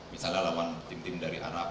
misalnya lawan tim tim dari arab